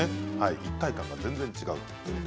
一体感が全然違うんです。